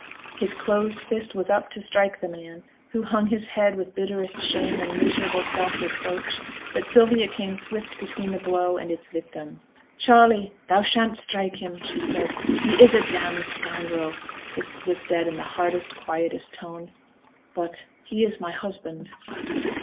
His closed fist was up to strike the man, who hung his head with bitterest shame and miserable self reproach; but Sylvia came swift between the blow and its victim. 'Charley, thou shan't strike him,' she said. 'He is a damned scoundrel' (this was said in the hardest, quietest tone) 'but he is my husband.'